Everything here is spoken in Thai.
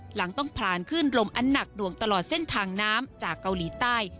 หลังต้องผ่านขึ้นลมอันหนักหน่วงตลอดเส้นทางน้ำจากเกาหลีใต้